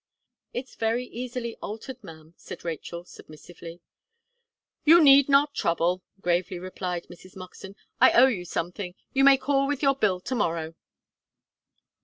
"It's very easily altered, ma'am," said Rachel, submissively. "You need, not trouble," gravely replied Mrs. Moxton. "I owe you something; you may call with your bill to morrow."